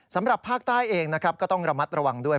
สำหรับภาคใต้เองนะครับก็ต้องระมัดระวังด้วย